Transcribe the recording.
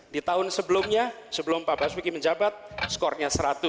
di tahun sebelumnya sebelum pak basuki menjabat skornya seratus